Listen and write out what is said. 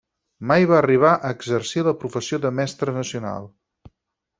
Mai va arribar a exercir la professió de mestra nacional.